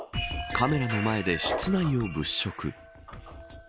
カメラの前で室内を物色。